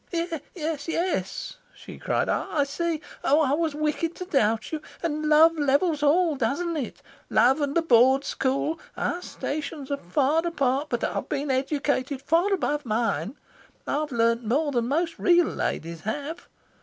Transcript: "Yes, yes," she cried. "I see. Oh I was wicked to doubt you. And love levels all, doesn't it? love and the Board school. Our stations are far apart, but I've been educated far above mine. I've learnt more than most real ladies have.